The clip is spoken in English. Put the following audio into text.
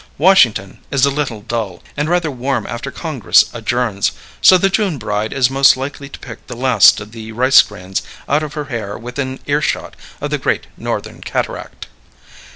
Washington is a little dull and rather warm after Congress adjourns, so the June bride is most likely to pick the last of the rice grains out of her hair within earshot of the great Northern cataract.